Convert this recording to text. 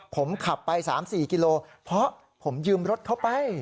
ผมขับไป๓๔กิโลเพราะผมยืมรถเข้าไป